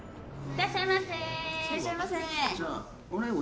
いらっしゃいませ。